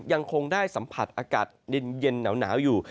ยังคงได้สัมผัสอากาศเย็นหนาวอยู่